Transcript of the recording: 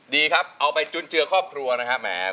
ดีครับเอาไปจุนเจือครอบครัวนะครับแหม